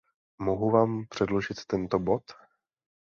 Mohu vám předložit tento bod?